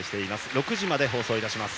６時まで放送いたします。